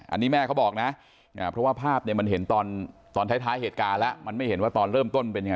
อันนี้แม่เขาบอกนะเพราะว่าภาพเนี่ยมันเห็นตอนท้ายเหตุการณ์แล้วมันไม่เห็นว่าตอนเริ่มต้นเป็นยังไง